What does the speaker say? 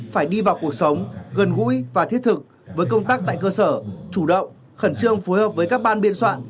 phải đi vào cuộc sống gần gũi và thiết thực với công tác tại cơ sở chủ động khẩn trương phối hợp với các ban biên soạn